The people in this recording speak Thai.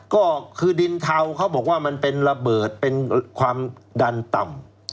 ก็คือดินเทาเขาบอกว่ามันเป็นระเบิดเป็นความดันต่ำ